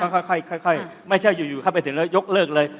ค่อยไม่ใช่อยู่เข้าไปเสร็จแล้วยกเลิกเลย